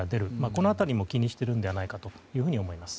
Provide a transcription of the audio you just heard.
この辺りも気にしているのではないかと思います。